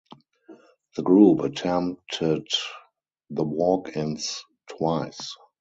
The group attempted the walk-ins twice.